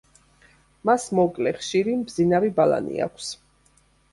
მას მოკლე, ხშირი, მბზინავი ბალანი აქვს.